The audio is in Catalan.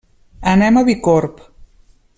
Anem a Bicorb.